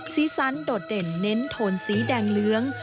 สีสันโดดเด่นเน้นโทนสีแดงเหลือง